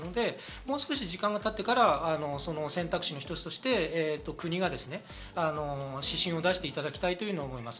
もう少し時間がたってから選択肢の一つとして国が指針を出していただきたいと思います。